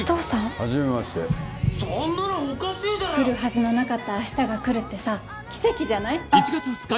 はじめまして来るはずのなかった明日が来るってさ奇跡じゃない？